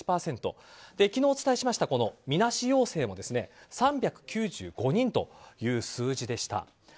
昨日お伝えしましたみなし陽性も３９５人という数字でした。